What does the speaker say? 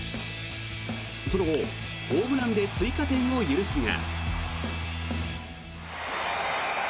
その後、ホームランで追加点を許すが。